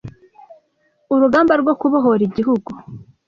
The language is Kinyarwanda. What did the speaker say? urugamba rwo kubohora igihugu